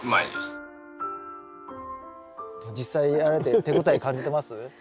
実際やられて手応え感じてます？